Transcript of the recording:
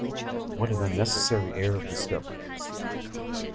What an unnecessary air of discovery!